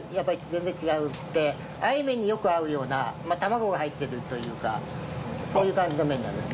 あえ麺によく合うような卵が入ってるというかそういう感じの麺なんです。